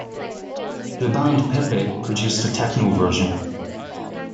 The band PePe produced a techno version.